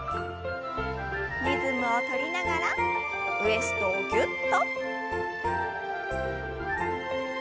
リズムを取りながらウエストをぎゅっと。